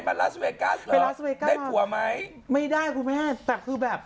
ไปรัสเวกัสหรอได้ผัวไหมไม่ได้คุณแม่แต่คือแบบ